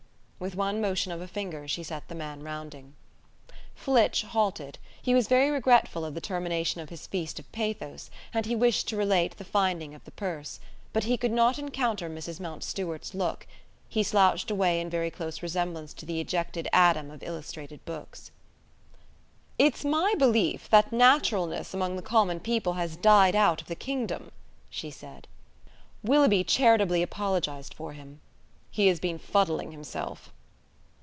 With one motion of a finger she set the man rounding. Flitch halted; he was very regretful of the termination of his feast of pathos, and he wished to relate the finding of the purse, but he could not encounter Mrs. Mountstuart's look; he slouched away in very close resemblance to the ejected Adam of illustrated books. "It's my belief that naturalness among the common people has died out of the kingdom," she said. Willoughby charitably apologized for him. "He has been fuddling himself."